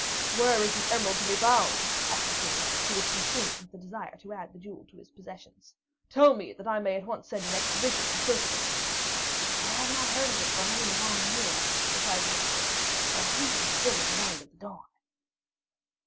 "Where is this emerald to be found?" asked the King, who was consumed with the desire to add the jewel to his possessions. "Tell me, that I may at once send an expedition in search of it." "I have not heard of it for many a long year," replied the Emperor, "but I think it is still in the Land of the Dawn."